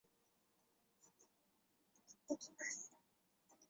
但国共内战导致许多条文失去效力。